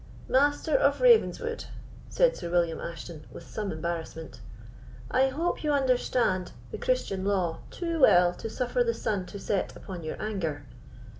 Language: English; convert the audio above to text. "Master of Ravenswood," said Sir William Ashton, with some embarrassment, "I hope you understand the Christian law too well to suffer the sun to set upon your anger."